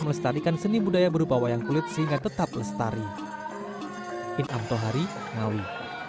melestarikan seni budaya berupa wayang kulit sehingga tetap lestari in amto hari ngawi